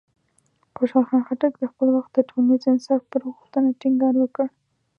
خوشحال خان خټک د خپل وخت د ټولنیز انصاف پر غوښتنه ټینګار وکړ.